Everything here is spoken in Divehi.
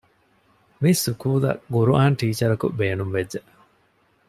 މިސުކޫލަށް ޤުރުޢާން ޓީޗަރަކު ބޭނުންވެއްޖެ